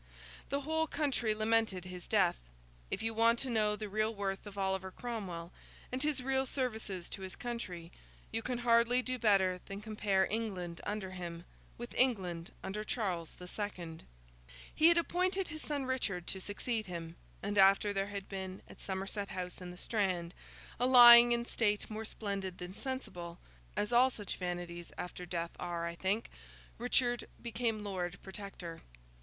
The whole country lamented his death. If you want to know the real worth of Oliver Cromwell, and his real services to his country, you can hardly do better than compare England under him, with England under Charles the Second. He had appointed his son Richard to succeed him, and after there had been, at Somerset House in the Strand, a lying in state more splendid than sensible—as all such vanities after death are, I think—Richard became Lord Protector.